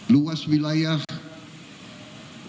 luas wilayah hampir sama dengan eropa barat